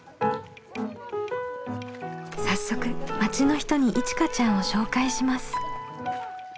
早速町の人にいちかちゃんを紹介します。